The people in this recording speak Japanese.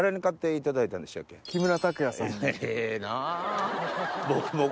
ええな。